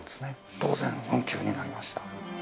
当然、運休になりました。